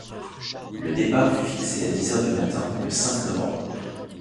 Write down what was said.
Le départ fut fixé à dix heures du matin, le cinq novembre.